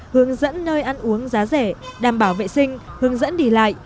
hướng dẫn nơi ăn uống giá rẻ đảm bảo vệ sinh hướng dẫn đi lại